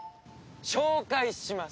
紹介します！